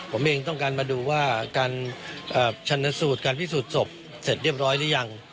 ผมเองต้องการมาดูว่าการชันสูตรการพิสูจน์ศพเสร็จเรียบร้อยหรือยัง